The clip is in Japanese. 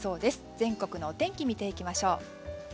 全国のお天気見ていきましょう。